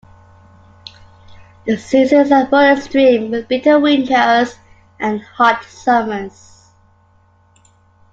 The seasons are more extreme with bitter winters and hot summers.